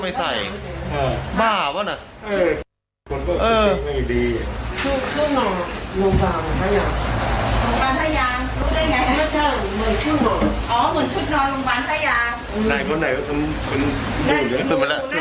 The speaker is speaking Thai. คุณไปแล้วคุณไปนำคนรถแซบซี่ละเดี๋ยวรอ